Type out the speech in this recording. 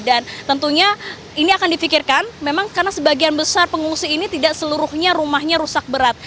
dan tentunya ini akan difikirkan memang karena sebagian besar pengungsi ini tidak seluruhnya rumahnya rusak berat